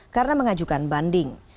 karena mengajukan banding